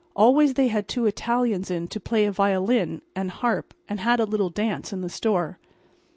Always they had two Italians in to play a violin and harp and had a little dance in the store.